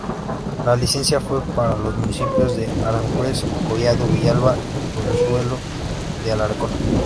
La licencia fue para los municipios de Aranjuez, Collado Villalba y Pozuelo de Alarcón.